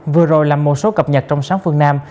vừa rồi là một số cập nhật trong sáng phương nam